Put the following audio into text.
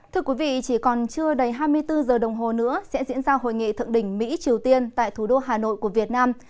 thưa quý vị chỉ còn chưa đầy hai mươi bốn giờ đồng hồ nữa sẽ diễn ra hội nghị thượng đỉnh mỹ triều tiên tại thủ đô hà nội của việt nam